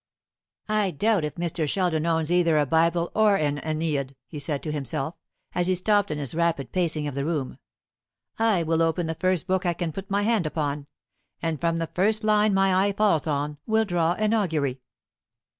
"I doubt if Mr. Sheldon owns either a Bible or an 'Æneid,'" he said to himself, as he stopped in his rapid pacing of the room; "I will open the first book I can put my hand upon, and from the first line my eye falls on will draw an augury."